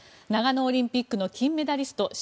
長野オリンピックの金メダリスト